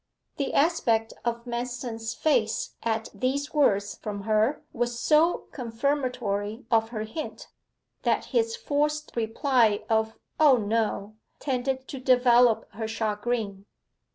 The aspect of Manston's face at these words from her was so confirmatory of her hint, that his forced reply of 'O no,' tended to develop her chagrin.